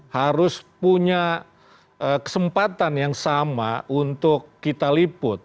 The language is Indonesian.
harus punya kesempatan yang sama untuk kita liput